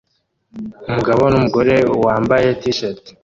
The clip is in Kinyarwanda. Umugabo numugore wambaye t-shirt